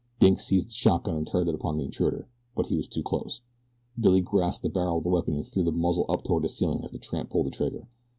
Dink seized the shotgun and turned it upon the intruder; but he was too close. Billy grasped the barrel of the weapon and threw the muzzle up toward the ceiling as the tramp pulled the trigger.